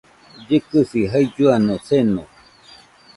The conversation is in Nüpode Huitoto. Llɨkɨsi jailluano seno